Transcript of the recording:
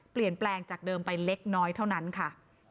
เปลี่ยนแปลงจากเดิมไปเล็กน้อยเท่านั้นค่ะ